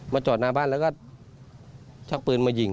จอดหน้าบ้านแล้วก็ชักปืนมายิง